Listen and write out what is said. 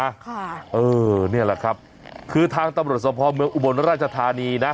ค่ะเออนี่แหละครับคือทางตำรวจสมภาพเมืองอุบลราชธานีนะ